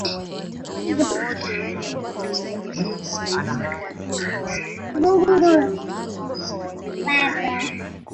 Unapomzungumzia Said Salim Bakhresa unamzungumzia mtu anayesimamia maono yake